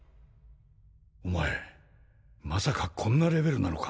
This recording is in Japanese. お前まさかこんなレベルなのか？